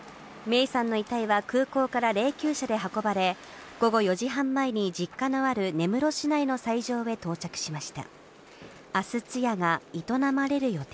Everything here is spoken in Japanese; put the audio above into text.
芽生さんの遺体は空港から霊きゅう車で運ばれ、午後４時半前に実家のある根室市内の斎場へ到着しました。